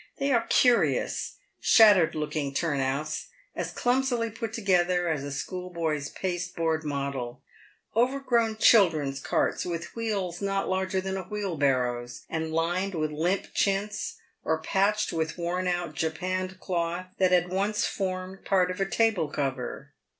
They are curious, shattered looking turn outs, as clumsily put together as a schoolboy's paste board model — overgrown children's carts, with wheels not larger than a wheelbarrow's, and lined with limp chintz, or patched with worn out japanned cloth that had once formed part of a table cover.